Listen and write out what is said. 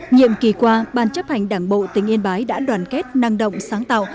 nhiệm kỳ qua ban chấp hành đảng bộ tỉnh yên bái đã đoàn kết năng động sáng tạo